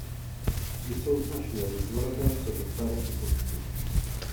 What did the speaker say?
Jsou značně různorodé co do tvaru i počtu.